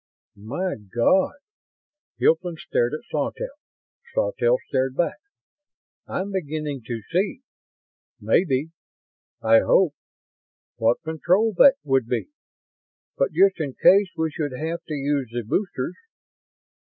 "My God!" Hilton stared at Sawtelle. Sawtelle stared back. "I'm beginning to see ... maybe ... I hope. What control that would be! But just in case we should have to use the boosters...."